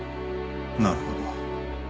なるほど。